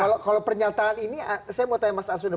oke kalau pernyataan ini saya mau tanya mas aswindo